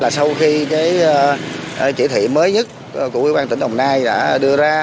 sau khi chỉ thị mới nhất của quý quan tỉnh đồng nai đã đưa ra